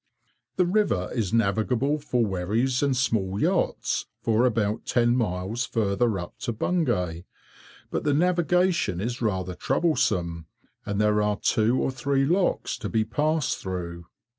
The river is navigable for wherries and small yachts, for about ten miles further up to Bungay, but the navigation is rather troublesome, and there are two or three locks to be passed through.